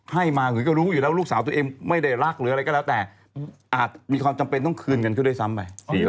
ให้มาเหมือนก็รู้อยู่แล้วลูกสาวตัวเองไม่ได้รักหรืออะไรก็แล้วแต่อาจมีความจำเป็นต้องคืนเงินเขาด้วยซ้ำไป